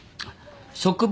植物